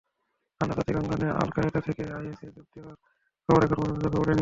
আন্তর্জাতিক অঙ্গনে আল-কায়েদা থেকে আইএসে যোগ দেওয়ার খবরও এখন পর্যন্ত চোখে পড়েনি।